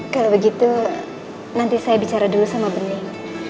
kalau begitu nanti saya bicara dulu sama bening